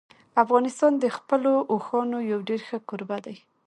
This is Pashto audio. افغانستان د خپلو اوښانو یو ډېر ښه کوربه دی.